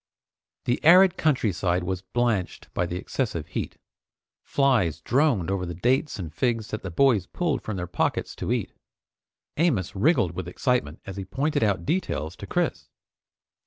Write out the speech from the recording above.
The arid countryside was blanched by the excessive heat. Flies droned over the dates and figs that the boys pulled from their pockets to eat. Amos wriggled with excitement as he pointed out details to Chris.